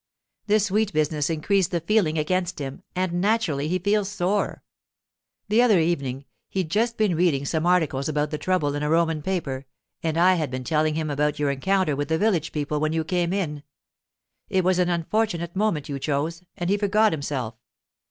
This wheat business increased the feeling against him, and naturally he feels sore. The other evening he'd just been reading some articles about the trouble in a Roman paper, and I had been telling him about your encounter with the village people when you came in. It was an unfortunate moment you chose, and he forgot himself.